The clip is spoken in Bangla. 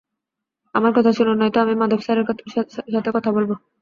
আমার কথা শুনুন, নয়তো আমি মাধব স্যারের সাথে কথা বলব।